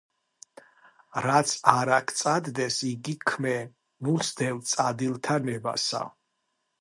რაც არა გწადდეს იგი ჰქმენ, ნუ სდევ წადილთა ნებასა